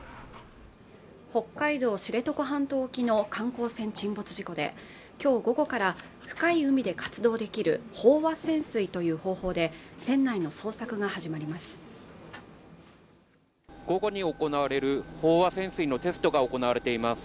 北海道知床半島沖の観光船沈没事故で今日午後から深い海で活動できる飽和潜水という方法で船内の捜索が始まります